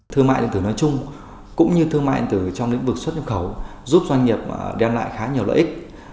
thương mại điện tử nói chung cũng như thương mại điện tử trong lĩnh vực xuất nhập khẩu giúp doanh nghiệp đem lại khá nhiều lợi ích